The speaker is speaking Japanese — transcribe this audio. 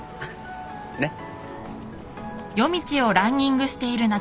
ねっ？